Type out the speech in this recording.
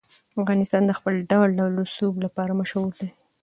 افغانستان د خپل ډول ډول رسوب لپاره مشهور دی.